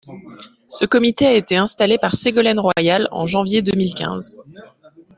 Ce comité a été installé par Ségolène Royal en janvier deux mille quinze.